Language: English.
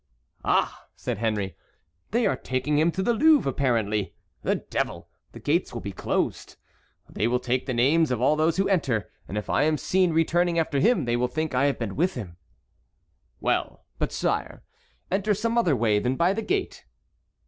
"Ah!" said Henry, "they are taking him to the Louvre, apparently. The devil! the gates will be closed. They will take the names of all those who enter, and if I am seen returning after him they will think I have been with him." "Well! but, sire," said La Mole, "enter some other way than by the gate."